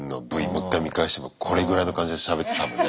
もう１回見返してもこれぐらいの感じでしゃべってる多分ね。